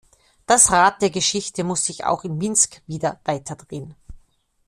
Das Rad der Geschichte muss sich auch in Minsk wieder weiterdrehen.